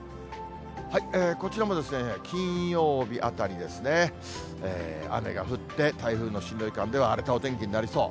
こちらも金曜日あたりですね、雨が降って台風の進路いかんでは、荒れたお天気になりそう。